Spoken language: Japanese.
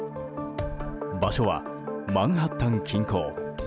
場所はマンハッタン近郊。